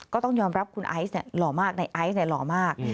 ก็ต้องยอมรับคุณไอซ์เนี่ยหล่อมากนายไอซ์เนี่ยหล่อมาก